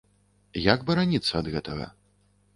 Як бараніцца ад гэтага?